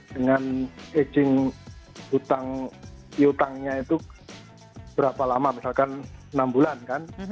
dengan aging utangnya itu berapa lama misalkan enam bulan kan